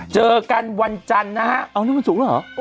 เจอกันวันจันทร์นะฮะอ้าวนี่มันสูงแล้วเหรอ